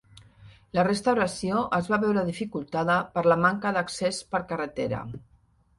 La restauració es va veure dificultada per la manca d'accés per carretera.